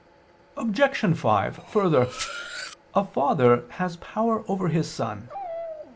Obj. 5: Further, a father has power over his son.